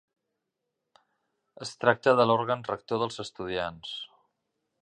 Es tracta de l'òrgan rector dels estudiants.